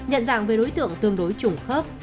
nhận dạng về đối tượng tương đối chủng khớp